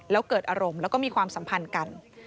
แล้วเกิดอารมณ์แล้วก็มีความสัมพันธ์กัน